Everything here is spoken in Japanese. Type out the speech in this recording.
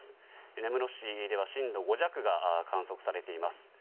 根室市では震度５弱が観測されています。